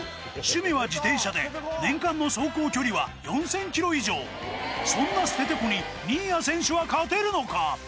趣味は自転車で年間の走行距離は４０００ｋｍ以上そんなステテコに新谷選手は勝てるのか？